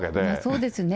そうですね。